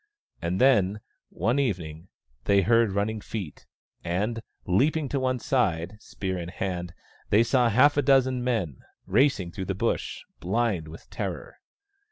And then, one evening, they heard running feet, and, leaping to one side, spear in hand, they saw half a dozen men, racing through the Bush, blind with terror.